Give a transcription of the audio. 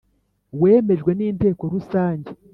wemejwe n Inteko rusange